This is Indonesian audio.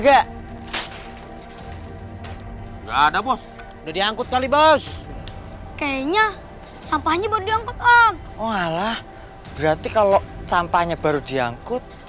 berarti makanya baru diangkut oh alah berarti kalau sampahnya baru diangkut berarti mobile sampahnya itu belum jauh ya fu